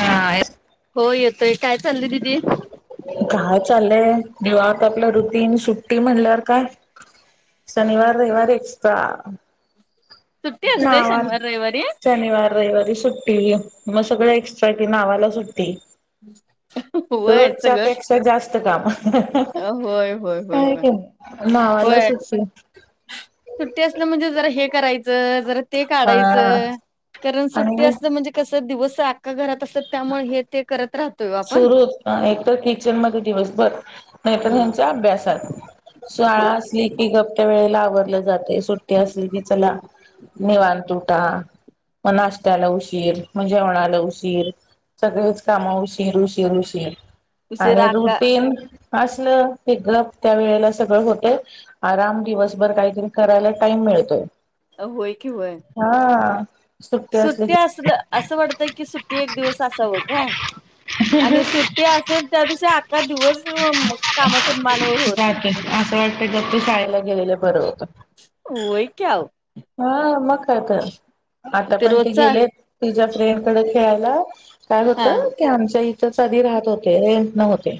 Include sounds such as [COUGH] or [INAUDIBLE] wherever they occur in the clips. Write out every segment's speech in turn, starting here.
हा. येत हो येतोय. काय चाललंय दिदी? लय. निवांत आपलं रुटीन सुट्टी म्हणल्यावर काय? शनिवार रविवार एकशे [UNINTELLIGIBLE] सुट्टी [UNINTELLIGIBLE] असते शनिवार रविवारी शनिवार रविवारी सुट्टी मग सगळं नुसत ती नावाला सुटी होय सगळं पेक्षा जास्त काम काय होय होय-होय-होय की नाही नावाला व्हय सुट्टी सुट्टी असल म्हणजे जरा हे करायचं जरा ते हा काढायचं कारण सुट्टी आणि असते म्हणजे कस दिवस घरात असत्यात त्यामुळे हे ते करत राहतोय ओ आपण सुरू होत एकतर किचन मध्ये दिवस बर नाहीतर हम्म ह्यांच्या अभ्यासात शाळा आसली की गप त्या वेळेला आवरलं जातय सुट्टी असली की चला निवात उ ठा म नाशत्याला उशीर मग जेवणाला उशीर सगळेच काम उशीर शीर उशीर-उशीर आणि उशिरा अक्का रुटीन असलं हे गप त्या वेळेला सगळं होतय आराम दिवसभर काहीतरी करायला टाइम मिळतोय. होय की होय हा असली सुट्टी की आसल आसं वाटतय की सुट टी एक दिवस असावं काय आणि सुट्टी आसेल त्या दिवशी आ. काखा दिवस कामात जात आस वा. [UNINTELLIGIBLE] गेलेलं बर होत नाही होय की अहो हा मग काय तर आता पण ते गेले तिझ्या फ्रेंड कडे खेळायला. काय हा होतं की आमच्या इथ आधी राहत होते रेंट न होते.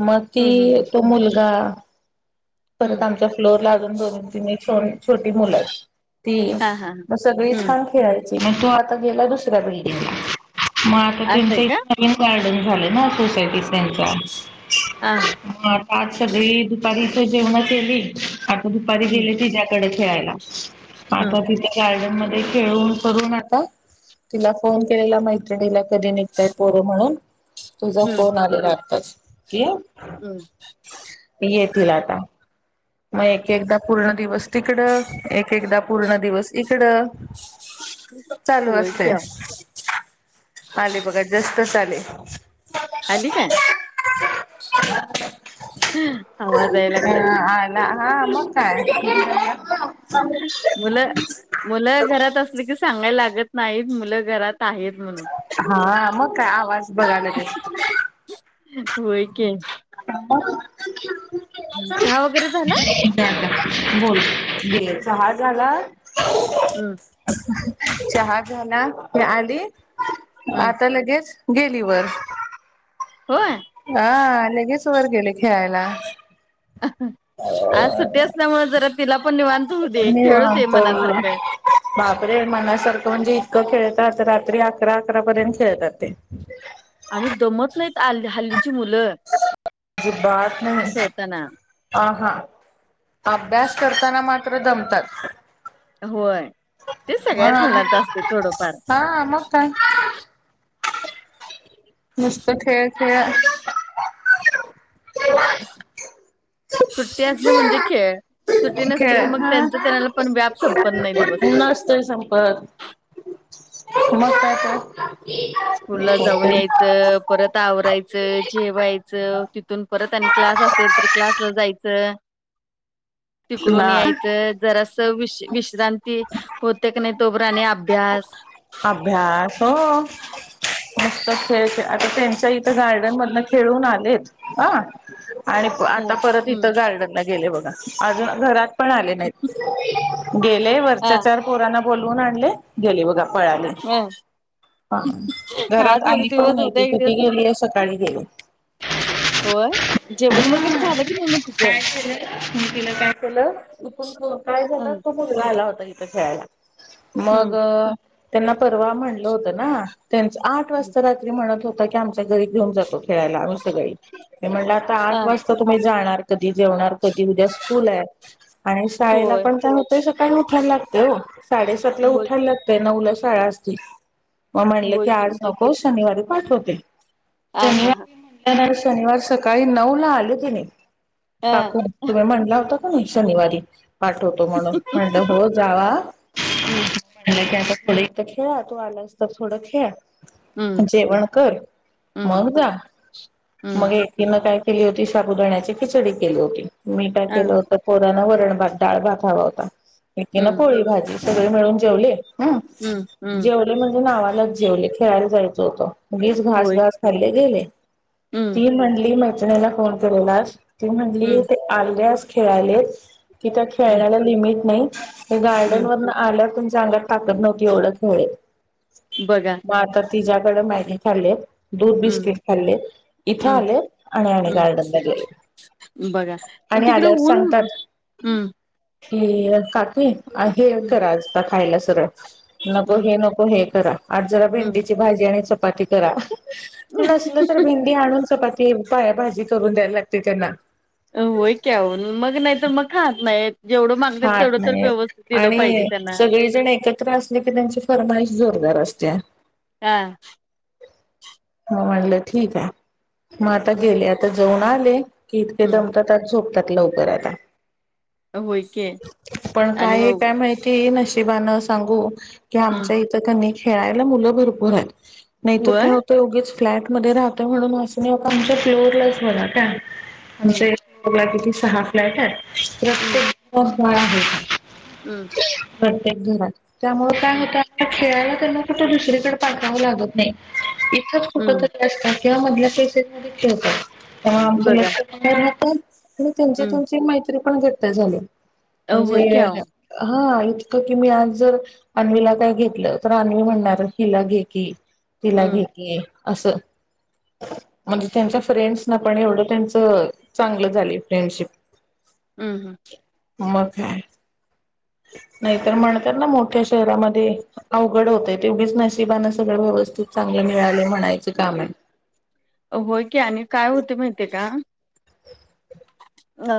मग हम्म हम्म ती तो मुल हा. परत हम्म. आमच्या फ्लोरला आजून दोन तिन्ही छोटी मुलं आहेत ती हा, हा, हा. म सगळी हम्म. छान खेळायची. म तो आता गेला दुसरी बिल्डिंग म आता असं आहे तेच्या का? इथं नवीन बाळ नवीन झाले ना सोसायटीत त्यांच्या हां. आज सगळी दुपारी इथं जेवण केली. आता दुपारी हं, गेले तिच्या्कडेच खेळायला आता हं, तिच्या गार्डन मध्ये. ते खेळून करू नका तिला फोन केलेला मैत्रिणीला कधी निघताय पोरं म्हणून तुझा फोन आलेला आताात. हम्. येथि लाता. मग एक एकदा पूर्ण दिवस तिकडं एक एकदा पूर्ण दिवस इकडं चालू होय की असते आओ. आले बघा जास्त. कसाले. आली काय? ह्. आवाज याय लागलाय. आला हा मग काय. मुलं मुलं घरात असली की सांगायला लागल. नाही मुलं घरात आहेत म्हणून हा मग काय आवाज बघायला तस. होय क. [UNINTELLIGIBLE] चहा वगैरे झाला? बोल चहा झाला. हम चहा झाला या आधी हं. आता लगेच. गेली वर. होय. हा लगेच वर गेले खेळायला. आज सुट्टी असल्यामुळं जरा तिला पण निवांत होऊ दे, खेळू दे निवांत मनासारखं. बापरे मनासारखं म्हणजे इतकं खेळतातात, रात्री अकरा -अकरा पर्यंत खेळतात ते. आणि दमत नाहीत हल्लीची मुलं अजिबात नाही खेळताना आ हा. अभ्यास करताना मात्र दमतात. होय ते सगळ्याच म्हणून मुलांच असते थोडंफार. हा मग काय. नुसत खेळ-खेळ. सुट्टी असली म्हणजे खेळ, सुट्टी नसली खेळ की मग हा त्यांच त्यांनाला पण व्याप संपत नाही दिवसभर. नसतोय संपत. मग काय तर. स्कूलला जाऊन [INAUDIBLE] परत आवरायचं, जेवायचं तिथून परत आणि क्लास असेल तर क्लासला जायचं. तिकडून ना यायचं जरास वि विश्रांती होते का नाही तो पर्यंत आणि अभ्यास. अभ्यास हो. मस्त खेळ खेळाचे आता इथं गार्डन मधून खेळून आल्या देतो हा आणि आता परत हम्म. इथं गार्डन ला गेले बघा. अजून घरात. पण आले नाहीत. [UNINTELLIGIBLE] गेले हा वरच्या चार पोरांना बोलवून आणलयं गेलयं बघा पळाले हा घरात आज एक आली पण दिवस नाही उद्या ती एक तिथे दिवस गेलीये सकाळी गेलीये. ह होय. जेवण वगैरे झालं की नाही मग तिचं? काय केलं मी तिला काय केलं तु पन [UNINTELLIGIBLE] काय झालं हम्म मुलगा आला होता तिथं खेळायला. मग हम्म त्यांना परवा म्हणलं होत ना त्यांच आठ वाजता रात्री म्हणत होत की आमच्या घरी घेऊन जातो खेळायला आम्ही सगळी ते म्हणलं आता हा आठ वाजता तुम्ही जाणार कधी जेवणार कधी उद्या स्कूल हाय आणि शाळेला होय. पण [UNINTELLIGIBLE] त सकाळी उठायला लागतेय साडेसात ला होय उठायला लागतय नऊला शाळा असती. मग म्हणले होय की आज नकोस. शनिवारी पाठवते. हा हा हा. शनिवारी म्हणल्यानंतर शनिवार सकाळी नऊ ला आले तिनी हा. काकू तुम्ही म्हणला होता. शनिवारी पाठवतो म्हणून - - म्हणलं हो जावा हम्म. म्हलं की आता - [UNINTELLIGIBLE] खेळा तू आलास तर थोडं खेळ जेवण कर. मग जा. मग येकीन काय - - केली होती. साबुदाण्याची खिचडी केली होती. मी काय अ, केलं होत पोरां- - नावरणात डाळ भात हवा होता. एकी नं पोळी भाजी. सगळे मिळून जेवले. हम. जेवले म्हणजे नावा लाचं जेवले खेळायला जायचं होतं. उगीच घास होय. घास खाल्ले गेले. ती म्हणली म ला फोन केलेलास ते म्हंटली ते आल्यास - - खेळालेच. कि त्या खेळण्याला लिमिट नाही. ते गार्डन वरन आल्या आंगात ताकद नव्हती, एवढ खेळलयं. बघा. तिच्या कड मॅगी खाल्लेयं. दूध, बिस्किट खाल्ले इथं आले आणि आणि गार्डनला गेले बघा. आणि तिकडे आल्यावर ऊन सांगतात एल काकी काकी हे करा आजता खायला सरळ नको हे नको हे करा. आज जरा भेंडीची भाजी आणि चपा चपाती करा. नसल तर भेंडी आणून चपाती पाया भाजी. भाजी करून द्यायला लागते त्यांना. होय की, आहों मग नाहीतर मग खात नाही. ह खात नाही, पाहिजे आणि त्यांना. सगळेजण एकत्र असले की त्यांची फरमाईश जोरदार असते. असत्या. हा. म म्हटलं ठीक आहे, मग आता गेले आता जाऊन आले. की इतके हं, दमतात झोप झोपतात लवकर आता. होय की. पण आणि मग काय-काय माहिती ना नशिबानं सांगू. की हं, आमच्या इथं कणी. खेळायला मुलं भरपूर आहेत. नाहीतर होय? काय होतं ऊगीच. फ्लॅटमध्ये राहतोय म्हणून असं नाही आमच्या पीलोड लाईट बघा काय. आमच्या ईथे तुला किती. सहा फ्लॅट हाय. रस्ते. बाळ आहे. हम्म. प्रत्येक घरात त्यामुळ काय हु [UNINTELLIGIBLE] खेळायला त्यांना कुठं दुसरीकडं पाठवावं लागत नई. इथंच कुठं तरी असतात. किंवा मधल्या पॅसेज मध्ये खेळतात. तर आमचं बघा. लक्ष थोडं राहतच. मी त्यांच्या तुमची माहित तरीपण घट्ट झालय. होय की म्हणजे आओ. हा इतकं की मी आज जर आन्वीला काय घेतलं, तर आन्वी म्हणणार तिला घे की. तिला घेकी. असं. म्हणजे त्यांच्या फ्रेंड्स ना पण एवढं त्यांचं, चांगलं झालय फ्रेंडशिप. हम्म हं. मग काय. नाहीतर म्हणतात ना मोठ्या शहरामध्ये अवघड होतय तेवढीच नशिबान सगळं व्यवस्थित चांगलं मिळाले म्हणायच काम आहे. अ होय. की आणि काय होतेय माहिती का. अ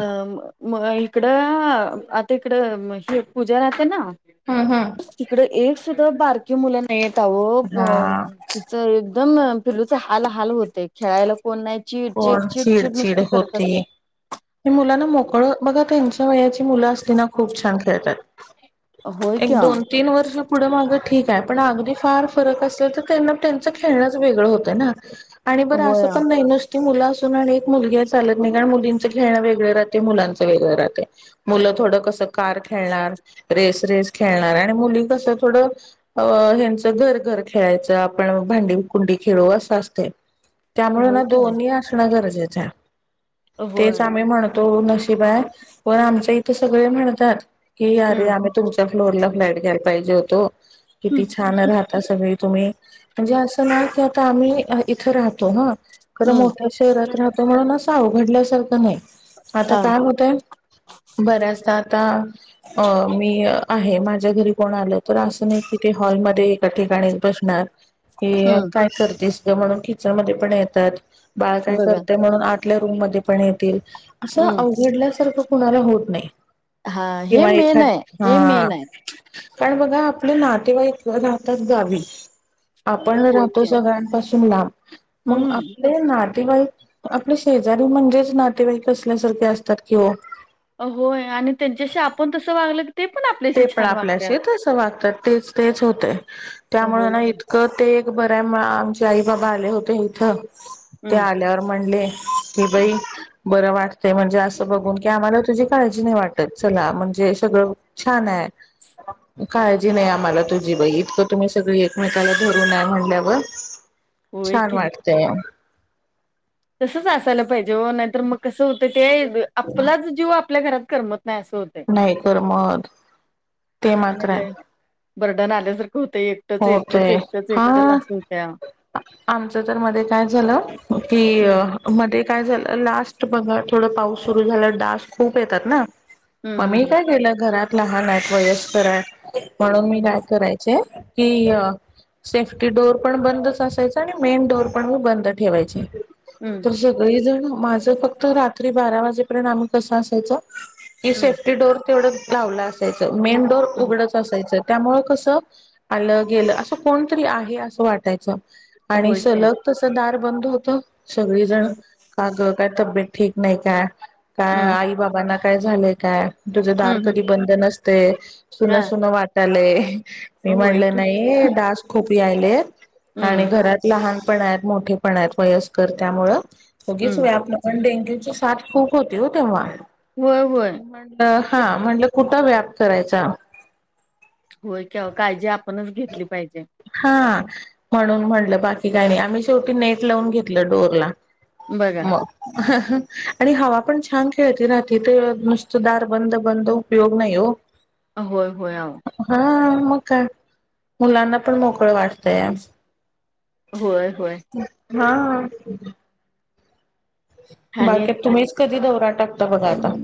म इकडं आता इकडं ह पूजा राहते ना. हम्म हम्म तिकड एक. सुधा बारकी मुलं नाही आहेत. आहों हा तिचं. एकदम पिलूच हाल-हाल होते खेळायला कोण नाय चिडचिड-चिडचिड नुसती करत असतय. हे मुलांना मोकळ बघा त्यांच्या वयाची मुलं खूप छान खेळतात. होय एक की ओ, दोन-तीन वर्ष पुढे मागं ठीक आहे पण अगदी फार. फरक असल तर त्यांना त्यांचं खेळणं वेगळं होतं ना. ह [INAUDIBLE] आणि बरं असं होय पण नाही नसती मुल एक मुलगी चालत नाही का. मुलीचं खेळणं वेगळ राहतय मुलांच वेगळं रहातय. मुलं थोड कसं कार खेेळणार. रेस रेस खेळणार, आणि मुली कस थोडं ह्याचं घर-घर खेळायचं आपण भांडी-कुंडी खेळू असं असतय. त्यामुळे ना होय की ओ, दोन्ही असणं गरज गरजेच आहे. तेच होय आम्ही म्हणतो. हो नशिब आहे, पण आमच्या इथं सगळे म्हणतात. की आरे हम्म आम्ही. फूडच्या फ्लोवर. ला फ्लॅट घ्याला पाहिजे होतो. किती छान राहतात सगळे. तुम्ही म्हणजे असं ना, की आता आम्ही इथे राहतो हा. खरं हम्म मोठ्या शहरात राहतो म्हणून असावं. घडल्यासारखं नाही. आता हा काय होतंय बऱ्याच दा आता अ. आहे माझ्या घरी कोण आलं तर, असं नाही कि ते हॉलमध्ये एका ठिकाणी बसणार. ते हम्म काय करतेस. म्हणून किचन मध्ये पण येतात. बाळ काय बघा करते म्हणून, आ आपल्या रूम मध्ये पण येतील. असं हम्म अवघडल्या सारखं कोणाला होत नाही. हा हे किंवा मेन एखाद हाय. हे हा मेन हाय. कारण, बघा आपले नातेवाईक राहतात गावी. आपण होय राहतो की सगळ्यां पासून तुम्ही लांब. मग हम्म आपले ना नातेवाईक आपले शेजारी म्हणजेचं, नातेवाईक असल्यासारखे असतात कि ओ? अ होय, आणि त्यांच्याशी आपण तस वागल ते पण आपल्याशी तसं वागतात. तेच तेच होतंय. त्यामुळे होय ना की इतकं ते बराय मग आमचे आई -बाबा आले होते इथं ते हम्म आल्यावर म्हणले? कि बाई बरं वाटते म्हणजे, असं बघून की आम्हाला तुझी काळजी नाही वाटत चला म्हणजे सगळं छान! आहे काळजी नाही, आम्हाला तुझी बाई इतकं तुम्ही सगळी एकमेकाला धरून आहे म्हणल्यावर होय छान! वाटतंय. तसचं असायला पाहिजे. जेव्हा नाहीतर, मग कसं होतं ते आपलाच जीव आप आपल्या घरात करमत नाही असं होतंय नाही तर, मग ते आणि मात्र लय आहे. बर्डन आल्यासारखं होतंय एकटंच हो ते एकटंच एकटंच हा एकटंच असं होतंया आमचं तर मध्ये काय झालं की कि हम्म अ काय झालं लास्ट बघा थोडं पाऊस सुरू झाला, डास खूप येतात ना. मग मी हम्म काय केलं घरात लहान आहेत वयस्कर आहेत म्हणून मी हम्म काय करायच चे कि सेफ्टी डोअर पण बंदच असायचा, आणि मेन डोअर पण मी बंद ठेवायची. हम्म तसं काही जणअ माझं, फक्त रात्री बारा वाजेपर्यंत आम्ही कसं असायचो? हे हम्म सेफ्टी डोअर तेवढच लावलं असायचं. मेन डोअर हम्म उघडच असायचं. त्यामुळं कसं? आलं, गेलं, असं कोणीतरी आहे असं वाटायचं. हम्म आणि होय की सलग तसं दार बंद होतं. सगळीजण हम्म कागद काय तब्येत ठीक नाही काय का हम्म आई बाबांना? काय झालंय काय? तुझं दार हम्म हम्म कधी बंद नस ते सुन हा सुनं वाटालंय? मी होय म्हणलं की नाही डास खूप यायलेत आणि हम्म घरात लहान पण आहेत, मोठे पण आहेत वयस्कर त्यामुळं उगीच हम्म व्याप नको डे ची साथ खूप होती हो तेव्हा होय होय म्हणलं, ते हा म्हणलं कुठं व्याप करायचा होय कि आवो काळजी आपणच घेतली पाहिजे. हा म्हणून म्हणलं बाकी काही नाही. आम्ही शेवटी नेट लावून घेतलं डोर ला. बघा म्ह. आणि हवा पण छान खेळती राहते ते नुसतं दार बंद-बंद उपयोग नाहीये ओ होय होय अहो. का मुलांना पण मोकळ वाटतंय असं होय. होय. हा. आणि बाकी तुम्ही कधी दौरा टाकतो बघा आता?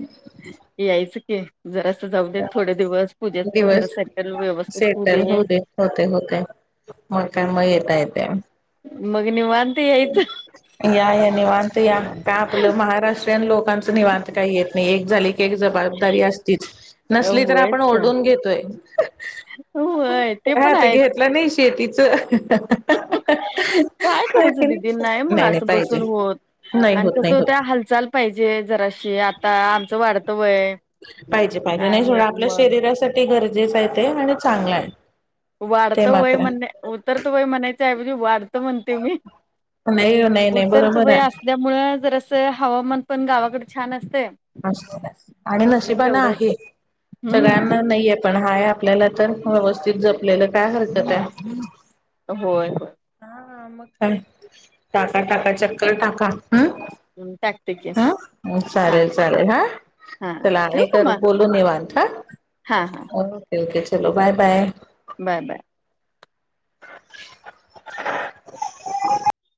यायचं कि जरासं जाऊद्यात, थोडे दिवस पूजेच पण जरा दिवस सेटल व्यवस्थित होऊ सेटल दे. होते होते मग काय मग येता येते मग निवांत यायचं या या निवांत या का आपलं महाराष्ट्रीयन लोकांचं निवांत काही येत नाही. झाले ती एक जबाबदारी असतीच नसली तर, व्हयच आपण का ओढून घेतोय व्हय [UNINTELLIGIBLE] ते काय पण आता आहेत घेतलं नाही. शेतीचं. [UNINTELLIGIBLE] काय करायचं दिदी दिदी नाही मग असं बसून होत. नाही आणि होत नाही कसं होत होतयं हालचाल पाहिजे, जराशी आता आमचं वाढतं वय पाहिजे पाहिजे नाही आणि सोडा आपल्या मग. शरीरासाठी गरजेचं आहे ते आणि चांगला आहे. ते वाढतं वय मात्र म्हणणे, उतरत वय म्हणायच्या ऐवजी वाढत म्हणते, मी नाही नाही नाही उतरत बरोबर वय आहे असल्यामुळ जरास चं हवामान पण गावाकड छान असत असं आणि नशिबान तेवढंच आहे हम्म सगळ्यांना नाहीे, पण हाय आपल्याला तर व्यवस्थित जपलेलं काय हरकत हाय. होय होय. हा मग काय टाका -टाका चक्कर टाका. हम्म हं, टाकते की हा हा चालेल-चालेल हा हां चला आणि ठेवू का परत मग बोलू निवांत हा हां ओके-ओके. चलो बाय- बाय. बाय-बाय.